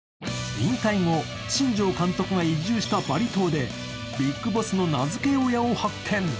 引退後、新庄監督が移住したバリ島でビッグボスの名付け親を発見。